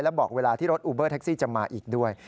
และบอกเวลาที่รถอูเบอร์แท็กซี่จะมาอีกด้วย